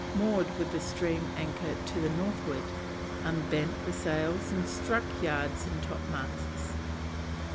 Moored with the stream anchor to the Northward. Unbent the sails and struck yards and topmasts.